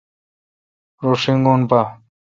رو شینگون پا۔